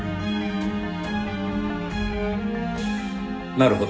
なるほど。